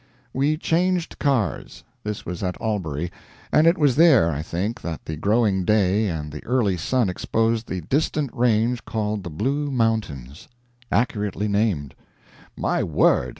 We changed cars. This was at Albury. And it was there, I think, that the growing day and the early sun exposed the distant range called the Blue Mountains. Accurately named. "My word!"